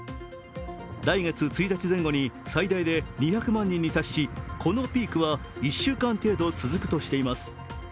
来月１日前後に最大で２００万人に達し、このピークは１週間程度続くとしています。